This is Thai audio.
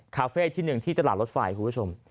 คาเฟ่ที่๑ที่ตลาดรถไฟคุณผู้ชม